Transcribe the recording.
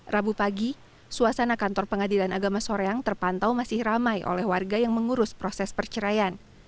rabu pagi suasana kantor pengadilan agama soreang terpantau masih ramai oleh warga yang mengurus proses perceraian